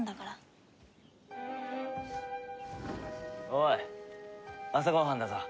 おい朝ご飯だぞ。